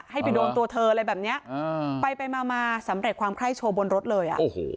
ให้ไปโดนตัวเธออะไรแบบเนี้ยอ่าไปไปมามาสำเร็จความไคร้โชว์บนรถเลยอ่ะโอ้โห